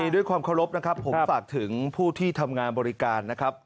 ด้วยความเคารพนะครับผมฝากถึงผู้ที่ทำงานบริการนะครับ